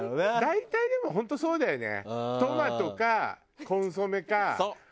大体でも本当そうだよね。